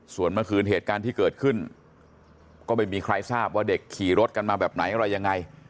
ส่วนเมื่อคืนเหตุการณ์ที่เกิดขึ้นก็ไม่มีใครทราบว่าเด็กขี่รถกันมาแบบไหนอะไรยังไง